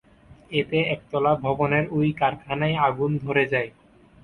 এতে একতলা ভবনের ওই কারখানায় আগুন ধরে যায়।